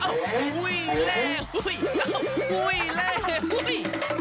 อ้าวอุ้ยแล้วอุ้ยอ้าวอุ้ยแล้วอุ้ย